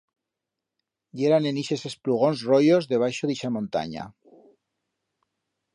Yeran en ixes esplugons royos debaixo d'ixa montanya.